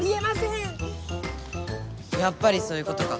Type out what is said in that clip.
やっぱりそういうことか。